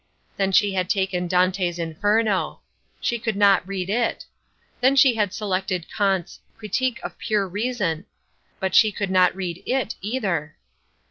Then she had taken Dante's Inferno. She could not read it. Then she had selected Kant's Critique of Pure Reason. But she could not read it either.